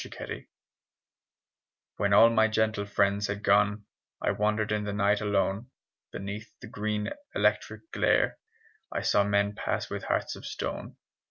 IDEAL When all my gentle friends had gone I wandered in the night alone: Beneath the green electric glare I saw men pass with hearts of stone.